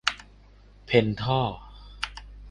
เพ็นท่อ